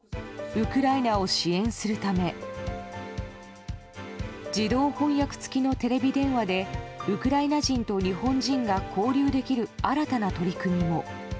ウクライナを支援するため自動翻訳付きのテレビ電話でウクライナ人と日本人が交流できる新たな取り組みも。